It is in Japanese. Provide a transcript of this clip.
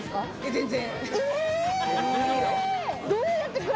全然。